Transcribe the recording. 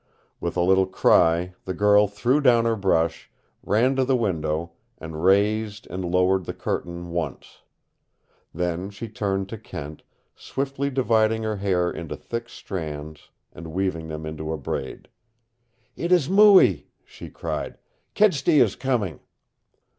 With a little cry the girl threw down her brush, ran to the window, and raised and lowered the curtain once. Then she turned to Kent, swiftly dividing her hair into thick strands and weaving them into a braid. "It is Mooie," she cried. "Kedsty is coming!"